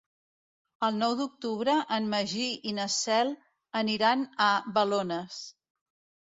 El nou d'octubre en Magí i na Cel aniran a Balones.